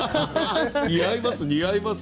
似合います